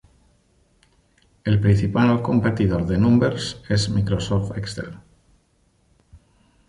El principal competidor de Numbers es Microsoft Excel.